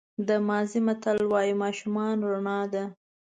د مازی متل وایي ماشومان رڼا ده.